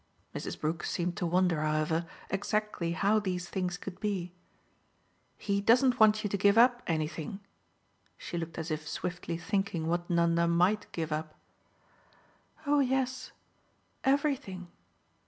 Mrs. Brook seemed to wonder, however, exactly how these things could be. "He doesn't want you to give up anything?" She looked as if swiftly thinking what Nanda MIGHT give up. "Oh yes, everything."